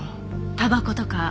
たばことか？